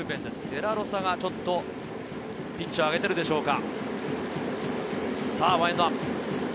デラロサがちょっとピッチを上げているでしょうか。